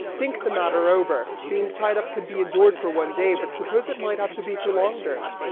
Think the matter over! Being tied up could be endured for one day, but suppose it might have to be for longer?